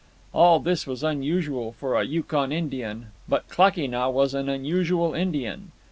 All this was unusual for a Yukon Indian, but Klakee Nah was an unusual Indian.